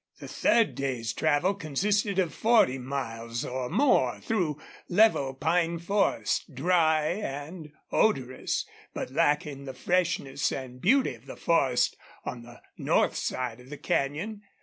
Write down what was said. The third day's travel consisted of forty miles or more through level pine forest, dry and odorous, but lacking the freshness and beauty of the forest on the north side of the canyon.